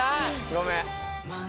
ごめん